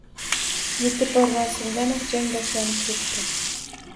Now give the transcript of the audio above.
Etib bormasimdanoq, jang boshlanib ketdi